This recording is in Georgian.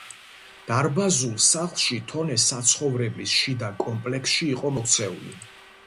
დარბაზულ სახლში თონე საცხოვრებლის შიდა კომპლექსში იყო მოქცეული.